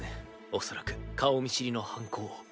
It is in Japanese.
おそらく顔見知りの犯行。